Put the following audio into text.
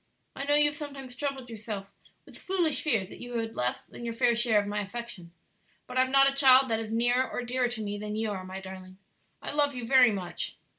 I know you have sometimes troubled yourself with foolish fears that you had less than your fair share of my affection; but I have not a child that is nearer or dearer to me than you are, my darling. I love you very much."